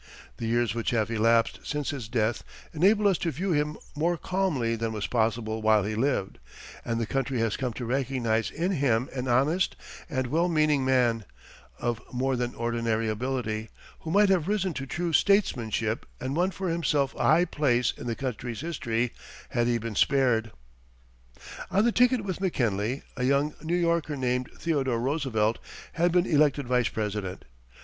The years which have elapsed since his death enable us to view him more calmly than was possible while he lived, and the country has come to recognize in him an honest and well meaning man, of more than ordinary ability, who might have risen to true statesmanship and won for himself a high place in the country's history had he been spared. On the ticket with McKinley, a young New Yorker named Theodore Roosevelt had been elected Vice President.